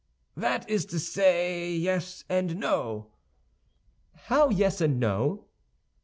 "That is to say, yes and no." "How yes and no?"